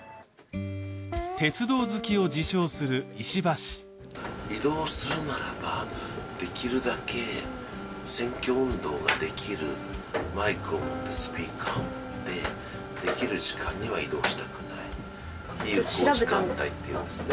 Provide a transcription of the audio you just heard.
鉄道好きを自称する石破氏移動するならばできるだけ選挙運動ができるマイクを持ってスピーカー持ってできる時間には移動したくない有効時間帯っていうんですね